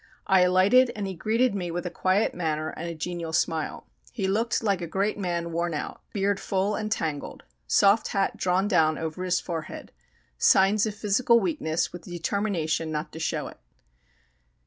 I alighted, and he greeted me with a quiet manner and a genial smile. He looked like a great man worn out; beard full and tangled; soft hat drawn down over his forehead; signs of physical weakness with determination not to show it.